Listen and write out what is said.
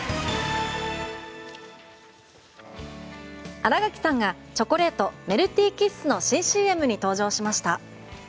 新垣さんがチョコレートメルティーキッスの新ＣＭに登場しました。